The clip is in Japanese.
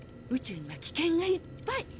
宇宙には危険がいっぱい。